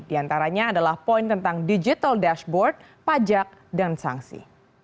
di antaranya adalah poin tentang digital dashboard pajak dan sanksi